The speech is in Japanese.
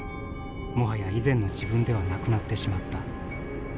もはや以前の自分ではなくなってしまった。